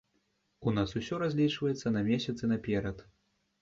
У нас усё разлічваецца на месяцы наперад.